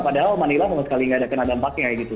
padahal manila sama sekali nggak ada kena dampaknya gitu